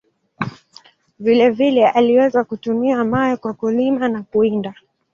Vile vile, aliweza kutumia mawe kwa kulima na kuwinda.